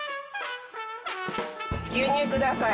牛乳ください。